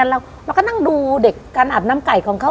เราก็นั่งดูเด็กการอาบน้ำไก่ของเขา